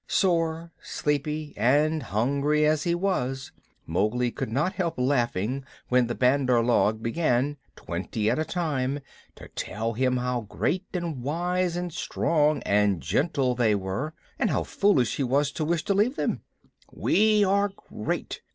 Sore, sleepy, and hungry as he was, Mowgli could not help laughing when the Bandar log began, twenty at a time, to tell him how great and wise and strong and gentle they were, and how foolish he was to wish to leave them. "We are great.